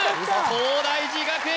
東大寺学園